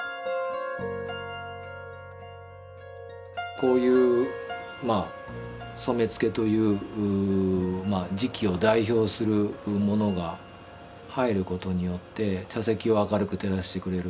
こういう染付という磁器を代表するものが入ることによって茶席を明るく照らしてくれる。